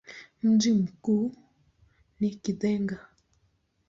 Mji mkuu ni Gitega.